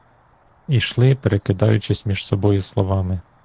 Ішли, перекидаючись між собою словами.